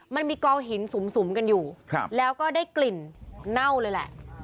มันมีกองหินสุ่มกันอยู่แล้วก็ได้กลิ่นเน่าเลยแหละ